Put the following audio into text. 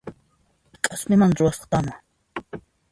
K'aspimanta ruwasqa tawna